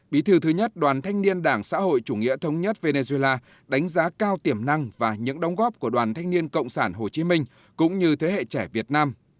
bí thư thứ nhất đoàn thanh niên đảng xã hội chủ nghĩa thống nhất venezuela đánh giá cao tiềm năng và những đồng góp của đoàn thanh niên cộng sản hồ chí minh cũng như thế hệ trẻ việt nam